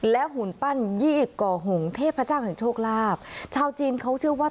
หุ่นปั้นยี่ก่อหงเทพเจ้าแห่งโชคลาภชาวจีนเขาเชื่อว่า